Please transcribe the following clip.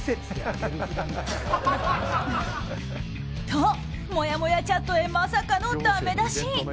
と、もやもやチャットへまさかのだめ出し！